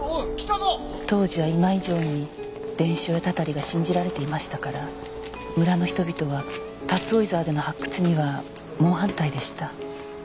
当時は今以上に伝承やたたりが信じられていましたから村の人々は竜追沢での発掘には猛反対でした。